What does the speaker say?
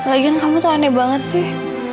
lagian kamu tuh aneh banget sih